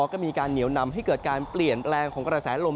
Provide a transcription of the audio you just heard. ก็มีการเหนียวนำให้เกิดการเปลี่ยนแปลงของกระแสลม